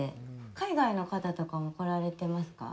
海外の方とかも来られてますか？